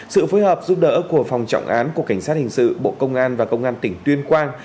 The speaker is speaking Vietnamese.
sự phối hợp giúp đỡ của phòng trọng án của cảnh sát hình sự bộ công an và công an tỉnh tuyên quang